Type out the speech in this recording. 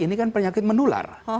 ini kan penyakit mendular